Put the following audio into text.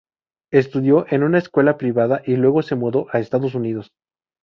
Estudió en una escuela privada y luego se mudó a Estados Unidos.